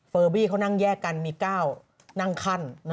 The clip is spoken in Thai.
เฟอร์บี้เขานั่งแยกกันมีก้าวนั่งคั่น